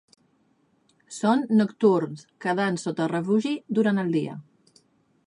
Són nocturns, quedant sota refugi durant el dia.